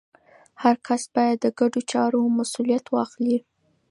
هر کس باید د ګډو چارو مسوولیت واخلي.